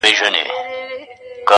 پر لویو غرو د خدای نظر دی-